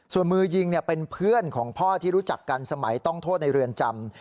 ส่วนมือยิงเป็นเพื่อนของพ่อที่รู้จักกันสมัยต้องโทษในเรือนจำ